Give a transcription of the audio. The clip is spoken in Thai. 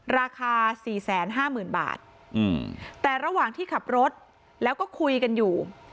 ราคา๔๕๐๐๐บาทแต่ระหว่างที่ขับรถแล้วก็คุยกันอยู่